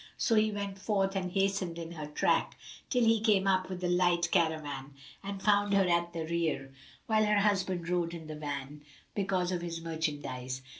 So he went forth and hastened in her track, till he came up with the light caravan[FN#354] and found her at the rear, whilst her husband rode in the van, because of his merchandise.